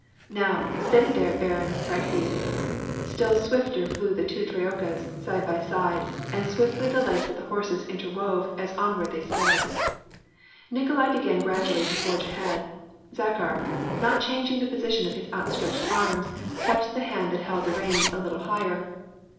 Now, steady there, barin !" cried he. Still swifter flew the two trotkas, side by side ; and swiftly the legs of the horses interwove as onward they sped. Nikolai began gradually to forge ahead. Zakhar, not chan ging the position of his outstretched arms, kept the hand that held the reins a little higher.